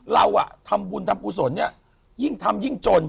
เราทำบุญทำกุศลเนี่ยยิ่งทำยิ่งจน